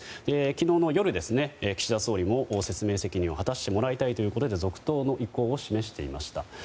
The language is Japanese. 昨日の夜、岸田総理も説明責任を果たしてもらいたいということで続投の意向を示していました。